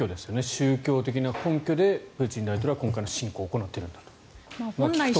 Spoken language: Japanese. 宗教的な根拠でプーチン大統領は今回の侵攻を行っていると。